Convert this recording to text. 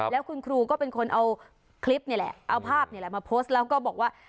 แล้วคุณครูก็เป็นคนเอาคลิปนี่แหละเอาภาพนี่แหละมาโพสต์แล้วก็บอกว่า